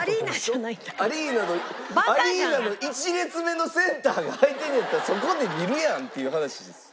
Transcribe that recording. アリーナの１列目のセンターが空いてんねやったらそこで見るやんっていう話ですよ。